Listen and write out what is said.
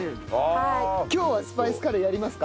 今日はスパイスカレーやりますか？